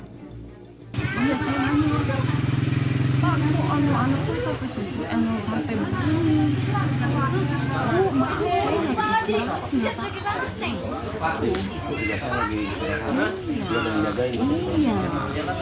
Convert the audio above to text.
ibu korban menuturkan saat kejadian korban izin akan menyewa ban pelampung